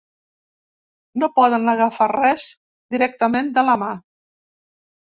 No poden agafar res directament de la mà.